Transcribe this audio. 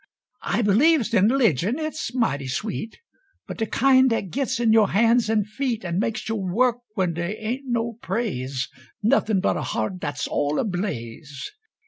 I believes in 'ligin, it's mighty sweet, But de kind dat gits in yo' hands and feet An' makes you work when dey ain't no praise, Nuthin' but a heart dat's all a blaze.